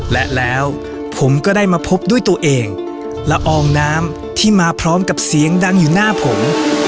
และแล้วผมก็ได้มาพบด้วยตัวเองละอองน้ำที่มาพร้อมกับเสียงดังอยู่หน้าผม